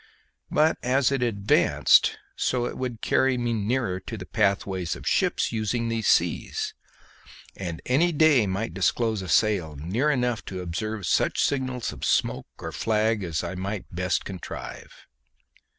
But as it advanced so would it carry me nearer to the pathways of ships using these seas, and any day might disclose a sail near enough to observe such signals of smoke or flag as I might best contrive.